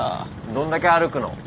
どんだけ歩くの？